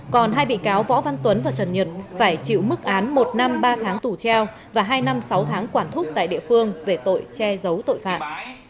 còn hai bị cáo võ văn tuấn và trần nhật phải chịu mức án một năm ba tháng tù treo và hai năm sáu tháng quản thúc tại địa phương về tội che giấu tội phạm